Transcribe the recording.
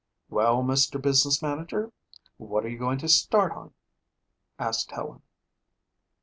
"Well, Mr. Business Manager, what are you going to start on?" asked Helen.